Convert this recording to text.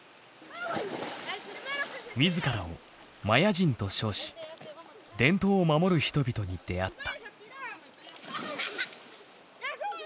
自らを「マヤ人」と称し伝統を守る人々に出会った。